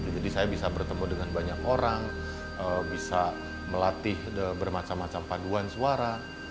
jadi saya bisa bertemu dengan banyak orang bisa melatih bermacam macam paduan suara